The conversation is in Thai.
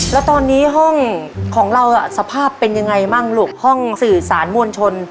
แล้วตอนนี้ห้องของเราสภาพเป็นยังไงบ้างลูกห้องสื่อสารมวลชน